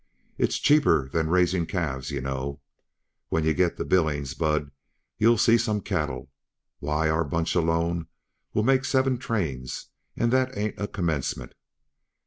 It's cheaper than raising calves, yuh know. When yuh get to Billings, Bud, you'll see some cattle! Why, our bunch alone will make seven trains, and that ain't a commencement.